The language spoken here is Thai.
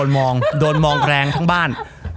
มองโดนมองแรงทั้งบ้าน